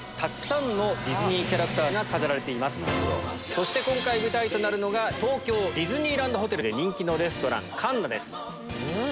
そして今回舞台となるのが東京ディズニーランドホテルで人気のレストラン。